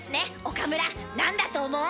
岡村何だと思う？